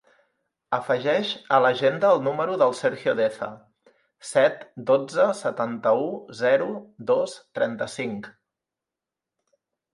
Afegeix a l'agenda el número del Sergio Deza: set, dotze, setanta-u, zero, dos, trenta-cinc.